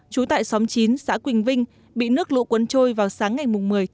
trú tại xóm chín xã quỳnh vinh bị nước lũ quấn trôi vào sáng ngày một mươi một mươi